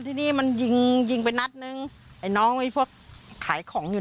ทีนี้มันยิงยิงไปนัดนึงไอ้น้องไอ้พวกขายของอยู่